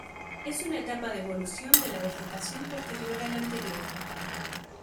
Es una etapa de evolución de la vegetación posterior a la anterior.